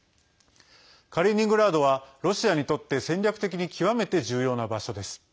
カリーニングラードはロシアにとって戦略的に極めて重要な場所です。